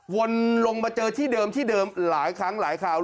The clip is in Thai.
วนลงมาเจอที่เดิมที่เดิมหลายครั้งหลายคราว